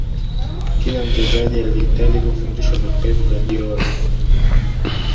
kila mchezaji alihitaji kufundishwa na pep guardiola